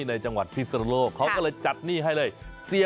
ในจังหวัดพิศนุโลกเขาก็เลยจัดหนี้ให้เลย